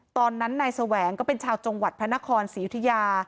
ตอนนั้นนายแสวงก็เป็นชาวจังหวัดพระนครศรียุธิยา